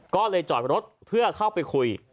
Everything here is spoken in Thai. ก็เลยจอดรถเพื่อเข้าไปคุย